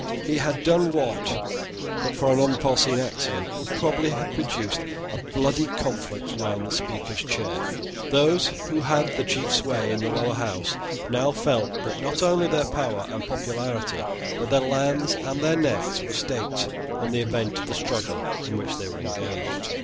He had done what, but for an unforeseen accident, would probably have produced a bloody conflict round the Speaker's chair. Those who had the chief sway in the Lower House now felt that not only their power and popularity, but their lands and their necks, were staked on the event of the struggle in which they were engaged.